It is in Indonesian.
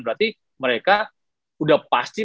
berarti mereka udah pasti